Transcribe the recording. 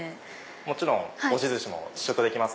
もちろん押しずし試食できます。